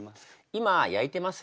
今焼いてます。